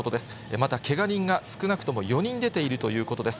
またけが人が少なくとも４人出ているということです。